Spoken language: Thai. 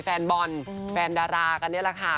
แฟนบอลแฟนดารากันนี่แหละค่ะ